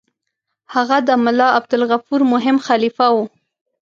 هغه د ملا عبدالغفور مهم خلیفه وو.